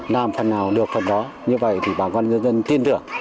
làm phần nào được phần đó như vậy thì bà con nhân dân tin tưởng